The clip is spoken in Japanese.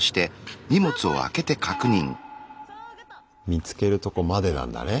見つけるとこまでなんだね。